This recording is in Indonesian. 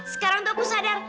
sekarang tuh aku sadar